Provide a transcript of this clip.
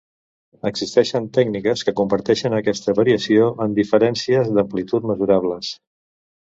Existeixen tècniques que converteixen aquesta variació en diferències d'amplitud mesurables.